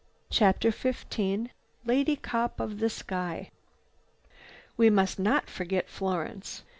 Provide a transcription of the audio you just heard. CHAPTER XV LADY COP OF THE SKY But we must not forget Florence.